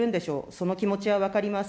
その気持ちは分かります。